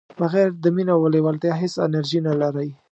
بغیر د مینې او لیوالتیا هیڅ انرژي نه لرئ.